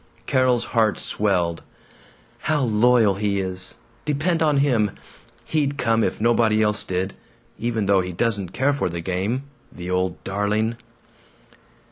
Carol's heart swelled. "How loyal he is! Depend on him! He'd come, if nobody else did. Even though he doesn't care for the game. The old darling!"